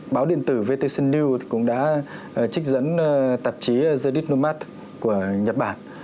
báo điện tử vtc news cũng đã trích dẫn tạp chí zadig nomad của nhật bản